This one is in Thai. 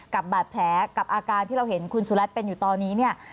กับบาดแผลกับอาการที่เราเห็นคุณสุรัตน์เป็นอยู่ตอนนี้เนี่ย